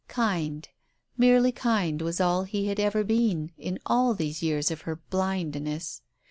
Kind — merely kind was all he had ever been, in all these years of her blindness.